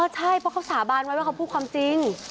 ใช่เพราะเขาสาบานไว้ว่าเขาพูดความจริง